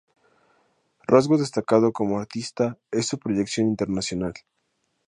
Rasgo destacado como artista es su proyección internacional.